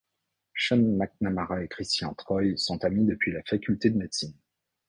Sean McNamara et Christian Troy sont amis depuis la faculté de médecine.